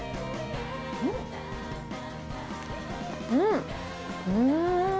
うん、うーん。